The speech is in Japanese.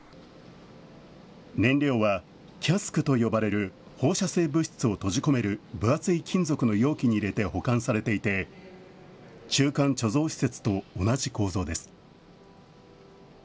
燃料はキャスクと呼ばれる放射性物質を閉じ込める分厚い金属の容器に入れて保管されていて、中間貯蔵施設と同じ構造です。